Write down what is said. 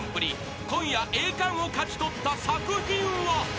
［今夜栄冠を勝ち取った作品は］